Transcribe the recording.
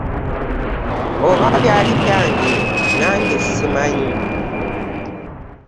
Oba byali byange nange ssimanyi.